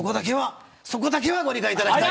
そこだけはご理解いただきたい。